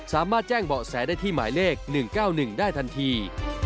สามารถแจ้งเบาะแสได้ที่หมายเลข๑๙๑ได้ทันที